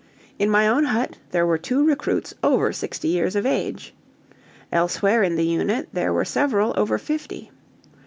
In my own hut there were two recruits over sixty years of age. Elsewhere in the unit there were several over fifty.